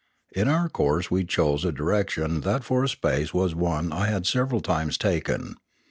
In our course we chose a direc tion that for a space was one I had several times taken.